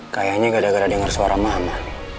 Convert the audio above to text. kayaknya gada gada dengar suara mama